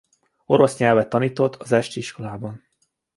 Orosz nyelvet tanított az esti iskolában.